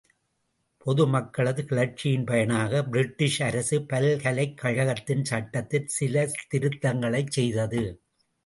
பொது மக்களது கிளர்ச்சியின் பயனாக, பிரிட்டிஷ் அரசு பல்கலைக் கழகத்தின் சட்டத்தில் சில திருத்தங்களைச் செய்தது.